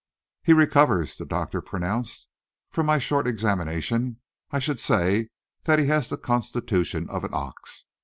"He recovers," the doctor pronounced. "From my short examination, I should say that he had the constitution of an ox.